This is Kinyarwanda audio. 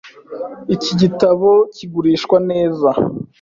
Iki gitabo kigurishwa neza .